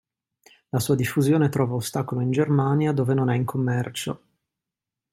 La sua diffusione trova ostacolo in Germania dove non è in commercio.